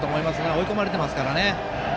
追い込まれてますからね。